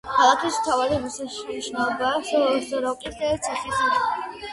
ქალაქის მთავარი ღირსშესანიშნაობაა სოროკის ციხესიმაგრე.